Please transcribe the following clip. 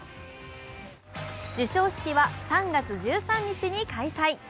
授賞式は３月１３日に開催。